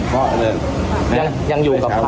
ฮะยังอยู่หรอครับ